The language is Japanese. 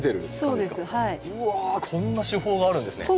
うわこんな手法があるんですね。